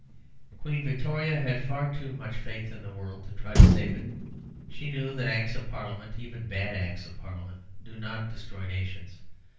Queen Victoria had far too much faith in the world to try to save it. She knew that Acts of Parliament, even bad Acts of Parliament, do not destroy nations.